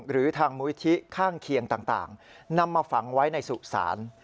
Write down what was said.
หรือทางมูลิธิข้างเคียงต่างนำมาฝังไว้ในสุสาน